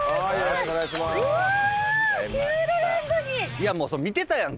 いやもう見てたやん！